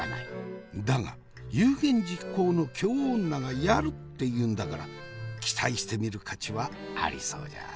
だが有言実行の京女がやるって言うんだから期待してみる価値はありそうじゃ。